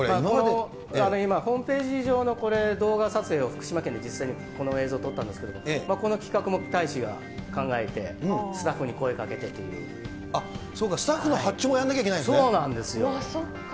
ホームページ上の動画撮影を福島県で実際にこの映像撮ったんですけれども、この企画も太一が考えて、そうか、スタッフの発注もやそうなんですよ。